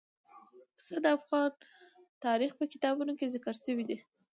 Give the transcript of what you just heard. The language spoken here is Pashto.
پسه د افغان تاریخ په کتابونو کې ذکر شوي دي.